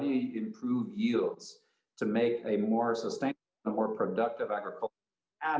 bagaimana cara anda meningkatkan